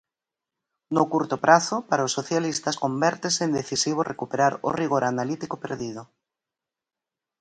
No curto prazo, para os socialistas convértese en decisivo recuperar o rigor analítico perdido.